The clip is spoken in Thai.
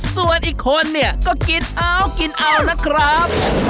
ส่วนอีกคนเนี่ยก็กินเอากินเอาละครับ